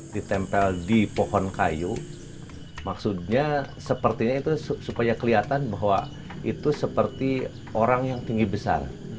ditempel di pohon kayu maksudnya sepertinya itu supaya kelihatan bahwa itu seperti orang yang tinggi besar